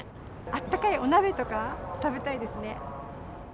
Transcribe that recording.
あったかいお鍋とか食べたいですね。